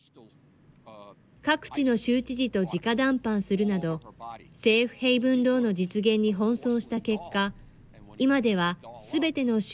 各地の州知事とじか談判するなど、セーフ・ヘイブン・ローの実現に奔走した結果、今ではすべての州